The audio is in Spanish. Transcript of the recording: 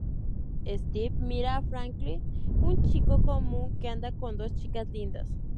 Steve mira a Frankel, un chico común que anda con dos chicas lindas.